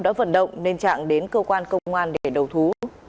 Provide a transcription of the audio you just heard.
đã vận động nên trạng đến cơ quan công an để đầu thú